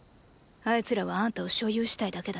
あいつらはあんたを所有したいだけだ。